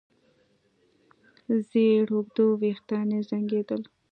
زېړ اوږده وېښتان يې زانګېدل.